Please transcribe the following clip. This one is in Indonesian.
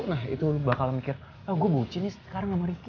nah itu lu bakal mikir oh gue bucin nih sekarang sama riki